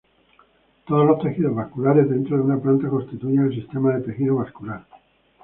Todos los tejidos vasculares dentro de una planta constituyen el sistema de tejido vascular.